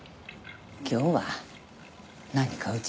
今日は何かうちに？